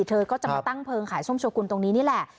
เธอก็จะมาตั้งเผลอขายซ่อมชบกุ้นตรงนี้แหละ